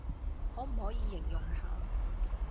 可唔可以形容下